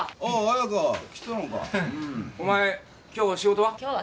お前今日は仕事は？